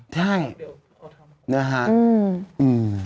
ใช่เนี่ยฮะเนาะ